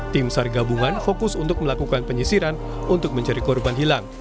tim sar gabungan fokus untuk melakukan penyisiran untuk mencari korban hilang